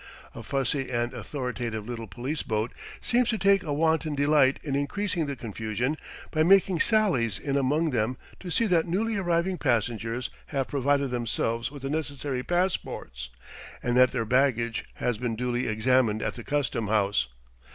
A fussy and authoritative little police boat seems to take a wanton delight in increasing the confusion by making sallies in among them to see that newly arriving passengers have provided themselves with the necessary passports, and that their baggage has been duly examined at the custom house.